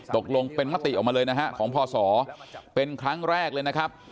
ตกลงเป็นมติออกมาเลยนะฮะของพศเป็นครั้งแรกเลยนะครับ